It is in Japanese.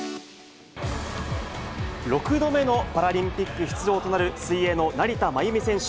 ６度目のパラリンピック出場となる水泳の成田真由美選手